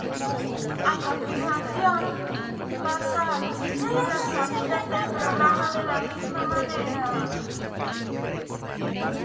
A continuación, pasa a describir las salidas del programa de la misma manera.